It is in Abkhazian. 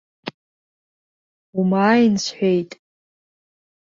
Умааин, сҳәеит!